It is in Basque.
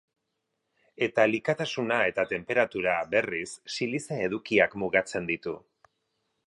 Eta likatasuna eta tenperatura, berriz, silize edukiak mugatzen ditu.